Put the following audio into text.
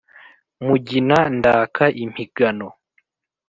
mugina ndaka impigano.